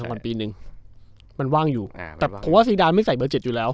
มันปีนึงมันว่างอยู่อ่าแต่ผมว่าซีดานไม่ใส่เบอร์เจ็ดอยู่แล้ว